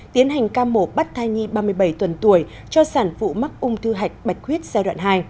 tiến hành ca mổ bắt thai nhi ba mươi bảy tuần tuổi cho sản phụ mắc ung thư hạch bạch huyết giai đoạn hai